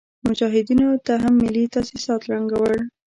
مجاهدينو هم ملي تاسيسات ړنګول.